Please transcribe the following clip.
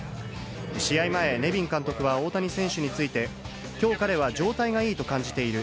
試合前、ネビン監督は大谷選手について、きょう、彼は状態がいいと感じている。